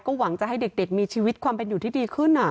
หวังจะให้เด็กมีชีวิตความเป็นอยู่ที่ดีขึ้น